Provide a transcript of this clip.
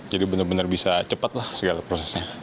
benar benar bisa cepat lah segala prosesnya